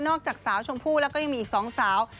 จากสาวชมพู่แล้วก็ยังมีอีกสองสาว